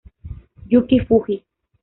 Yuki Fuji